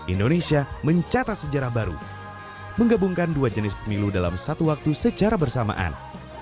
indonesia mencatat sejarah baru menggabungkan dua jenis pemilu dalam satu waktu secara bersamaan